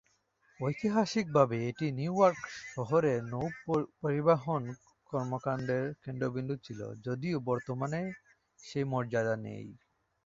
ঐতিহাসিকভাবে এটি New York শহরের নৌপরিবহন কর্মকাণ্ডের কেন্দ্রবিন্দু ছিল, যদিও বর্তমানে এর সেই মর্যাদা নেই।